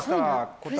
答え